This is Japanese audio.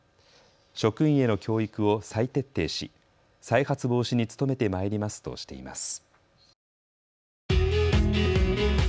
職員への教育を再徹底し再発防止に努めてまいりますとしています。